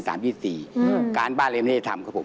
การบ้านอะไรแล้วผมไม่ได้ทำครับผม